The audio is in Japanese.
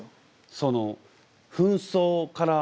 その紛争から。